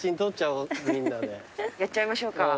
やっちゃいましょうか。